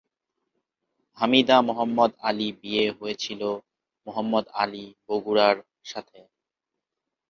হামিদা মোহাম্মদ আলী বিয়ে হয়েছিল মোহাম্মদ আলী বগুড়ার সাথে।